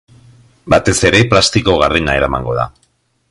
Batez ere, plastiko gardena eramango da.